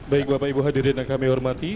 baik bapak ibu hadirin yang kami hormati